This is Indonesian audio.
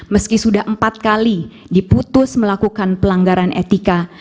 meski sudah empat kali diputus melakukan pelanggaran etika